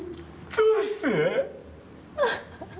どうして？